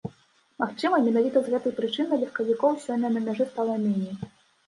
Магчыма, менавіта з гэтай прычыны легкавікоў сёння на мяжы стала меней.